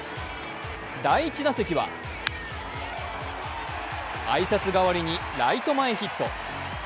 第１打席は挨拶代わりにライト前ヒット。